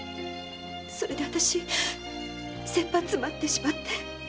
それで私せっぱつまってしまって。